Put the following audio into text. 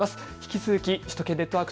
引き続き首都圏ネットワーク